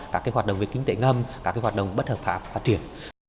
các cái hoạt động về kinh tế ngâm các cái hoạt động bất hợp pháp phát triển